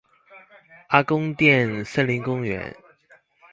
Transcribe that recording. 阿公店森林公園